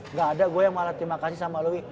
nggak ada gue yang malah terima kasih sama louis